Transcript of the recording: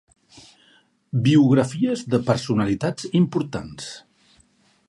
Biografies de personalitats importants.